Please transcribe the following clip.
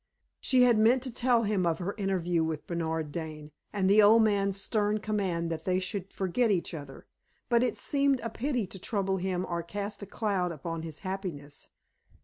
She had meant to tell him of her interview with Bernard Dane, and the old man's stern command that they should forget each other; but it seemed a pity to trouble him or cast a cloud upon his happiness.